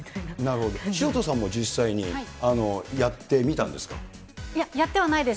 なるほど、潮田さんも実際に、いや、やってはないです。